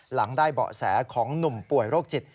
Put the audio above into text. หลังได้เบาะแสของหนุ่มป่วยโรคจิต